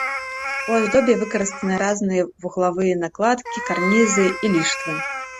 У аздобе выкарыстаны разныя вуглавыя накладкі, карнізы і ліштвы.